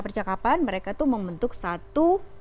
percakapan mereka tuh membentuk satu